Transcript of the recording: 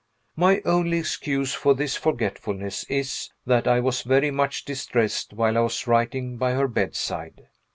My only excuse for this forgetfulness is, that I was very much distressed while I was writing by her bedside.